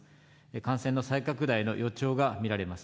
感染の再拡大の予兆が見られます。